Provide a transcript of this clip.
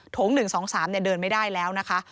โถง๑๒๓เนี่ยเดินไม่ได้แล้วนะคะ